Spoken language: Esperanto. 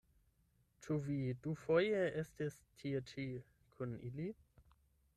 Ĉu vi dufoje estis tie-ĉi kun ili?